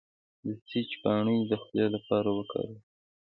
د سیج پاڼې د خولې لپاره وکاروئ